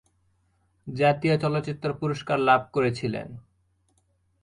জাতীয় চলচ্চিত্র পুরস্কার লাভ করেছিলেন।